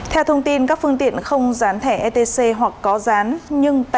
theo thông tin các phương tiện không rán thẻ etc hoặc có rán nhưng tài khoản không đủ chi trả